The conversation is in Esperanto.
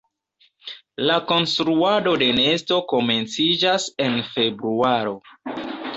La konstruado de nesto komenciĝas en februaro.